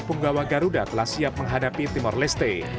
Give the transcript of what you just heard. penggawa garuda telah siap menghadapi timor leste